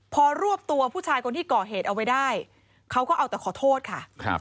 พอรวบตัวผู้ชายคนที่ก่อเหตุเอาไว้ได้เขาก็เอาแต่ขอโทษค่ะ